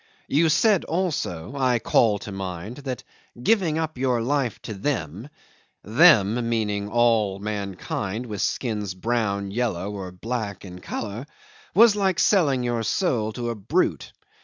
You said also I call to mind that "giving your life up to them" (them meaning all of mankind with skins brown, yellow, or black in colour) "was like selling your soul to a brute."